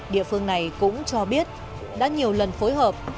địa phương này cũng cho biết đã nhiều lần phối hợp